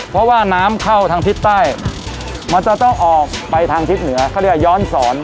เพราะว่าน้ำเข้าทางทิศใต้มันจะต้องออกไปทางทิศเหนือเขาเรียกว่าย้อนสอน